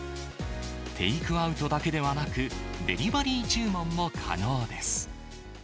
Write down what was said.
テイクアウトだけではなく、デリバリー注文も可能です。